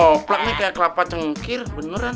oh plak ini kayak kelapa cengkir beneran